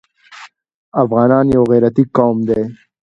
افغانان يو غيرتي قوم دی.